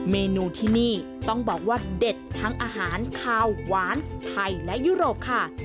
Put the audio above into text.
เมนูที่นี่ต้องบอกว่าเด็ดทั้งอาหารขาวหวานไทยและยุโรปค่ะ